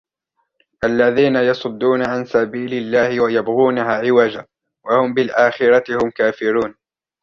الَّذِينَ يَصُدُّونَ عَنْ سَبِيلِ اللَّهِ وَيَبْغُونَهَا عِوَجًا وَهُمْ بِالْآخِرَةِ هُمْ كَافِرُونَ